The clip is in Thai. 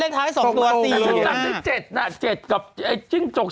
เลขท้าย๒ตัว๔๕จักรที่๗นะ๗กับจิ้งจก๒